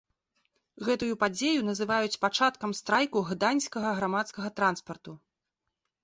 Гэтую падзею называюць пачаткам страйку гданьскага грамадскага транспарту.